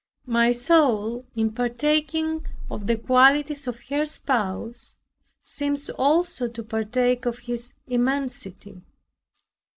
My soul in partaking of the qualities of her Spouse seems also to partake of His immensity.